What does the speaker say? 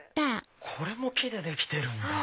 これも木でできてるんだ。